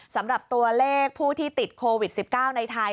สำหรับตัวเลขผู้ที่ติดโควิด๑๙ในไทย